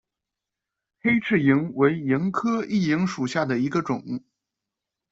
黑翅萤为萤科熠萤属下的一个种。